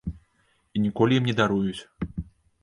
І ніколі ім не даруюць.